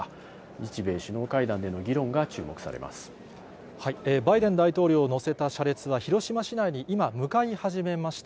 日米首脳会談での議論が注目されバイデン大統領を乗せた車列は広島市内に今、向かい始めました。